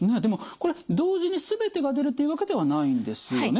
でもこれ同時に全てが出るっていうわけではないんですよね。